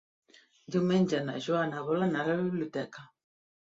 Diumenge na Joana vol anar a la biblioteca.